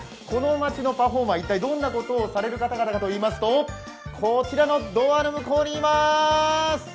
この街のパフォーマーは一体どんなことをされる方々かといいますと、こちらのドアの向こうにいまーす！